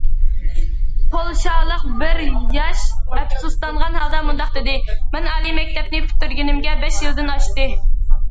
پولشالىق بىر ياش ئەپسۇسلانغان ھالدا مۇنداق دېدى: مەن ئالىي مەكتەپنى پۈتتۈرگىنىمگە بەش يىلدىن ئاشتى.